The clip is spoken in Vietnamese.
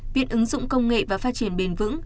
việc ứng dụng công nghệ và phát triển bền vững